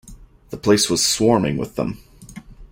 The place was swarming with them.